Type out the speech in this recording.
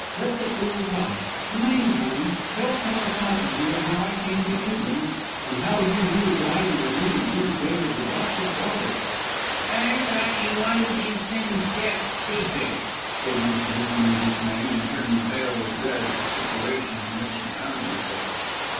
Let the fool talk. In the meantime, tell Colonel Towton here how I came to England and how you knew that Ida was merely Dimsdale's adopted daughter." "I thought you wanted these things kept secret," said Miss Jewin in dismay and turning pale with dread at the situation in which she found herself.